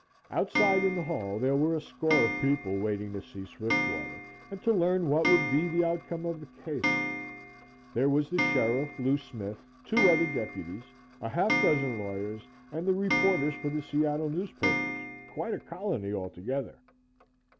Outside in the hall there were a score of people, waiting to see Swiftwater, and to learn what would be the outcome of the case. There was the sheriff, Lou Smith; two other deputies, a half dozen lawyers and the reporters for the Seattle newspapers quite a colony altogether.